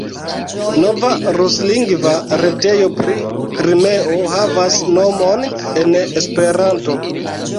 Nova ruslingva retejo pri Krimeo havas nomon en Esperanto.